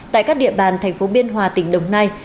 tại các địa bàn tp biên hòa tỉnh đồng nai